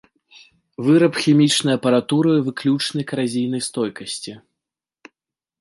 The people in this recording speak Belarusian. Выраб хімічнай апаратуры выключнай каразійнай стойкасці.